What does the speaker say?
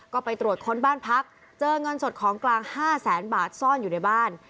ก็ไปตรวจค้นบ้านพักเจอเงินสดของกลาง๕แสนบาทซ่อนอยู่ในบ้าน